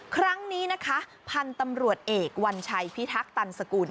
ครั้งนี้นะคะพันธุ์ตำรวจเอกวัญชัยพิทักษันสกุล